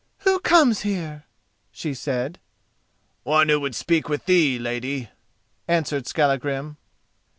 "Who comes here?" she said. "One who would speak with thee, lady," answered Skallagrim.